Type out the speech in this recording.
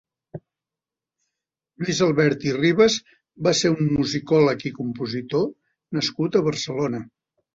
Lluís Albert i Rivas va ser un musicòleg i compositor nascut a Barcelona.